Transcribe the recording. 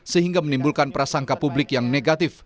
sehingga menimbulkan prasangka publik yang negatif